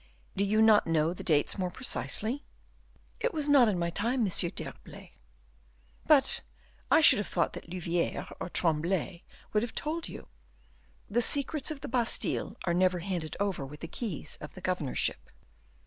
Do you not know the dates more precisely?" "It was not in my time, M. d'Herblay." "But I should have thought that Louviere or Tremblay would have told you." "The secrets of the Bastile are never handed over with the keys of the governorship."